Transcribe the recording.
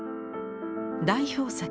代表作